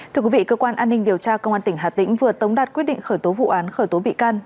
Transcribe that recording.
thưa quý vị cơ quan an ninh điều tra công an tỉnh hà tĩnh vừa tống đạt quyết định khởi tố vụ án khởi tố bị can